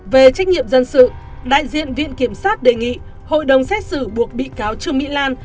về trách nhiệm dân sự đại diện viện kiểm sát đề nghị hội đồng xét xử buộc bị cáo trương mỹ lan